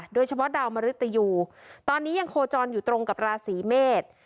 โดยเฉพาะดาวมริตยูตอนนี้ยังโคจรอยู่ตรงกับราศีเมษ